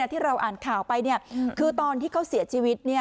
ที่เราอ่านข่าวไปคือตอนที่เขาเสียชีวิต